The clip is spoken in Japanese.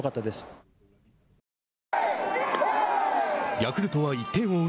ヤクルトは１点を追う